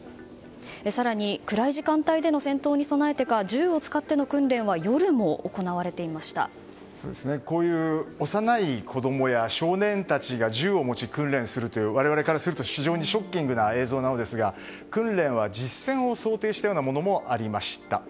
更に、暗い時間帯での戦闘に備えてか銃を使っての訓練はこういう幼い子供や少年たちが銃を持ち、訓練するという我々からすると非常にショッキングな映像ですが訓練は実戦を想定したようなものもありました。